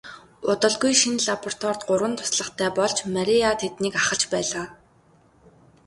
Удалгүй шинэ лабораторид гурван туслахтай болж Мария тэднийг ахалж байлаа.